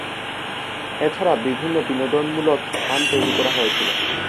এছাড়া বিভিন্ন বিনোদনমূলক স্থান তৈরি করা হয়েছিলো।